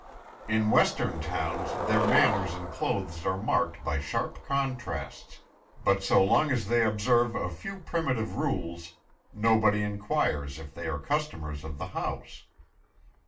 In Western towns their manners and clothes are marked by sharp contrasts, but so long as they observe a few primitive rules, nobody inquires if they are customers of the house.